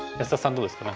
どうですか何か。